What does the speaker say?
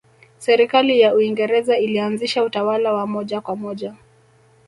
Serikali ya Uingereza ilianzisha utawala wa moja kwa moja